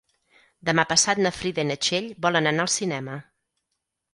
Demà passat na Frida i na Txell volen anar al cinema.